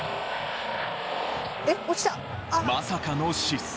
まさかの失速。